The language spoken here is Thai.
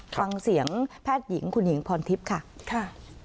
ฟังเสียงแพทย์หญิงคุณหญิงพรทิพย์ค่ะ